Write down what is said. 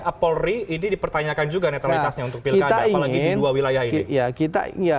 apolri ini dipertanyakan juga netralitasnya untuk pilih kajak apalagi di dua wilayah ini